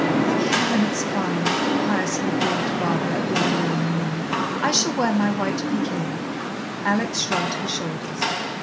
"Thank Heaven it's fine," piously breathed Barbara at the window in the morning. "I shall wear my white piqué." Alex shrugged her shoulders.